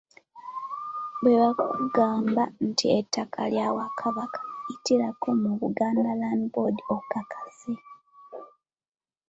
Bwe bakugamba nti ettaka lya Bwakabaka, yitirako mu Buganda Land Board okakase.